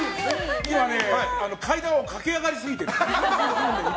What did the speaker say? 今ね、階段を駆け上がりすぎてる。